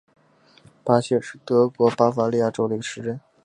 比希尔是德国巴伐利亚州的一个市镇。